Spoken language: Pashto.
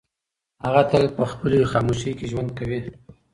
هغه تل په خپلې خاموشۍ کې ژوند کوي.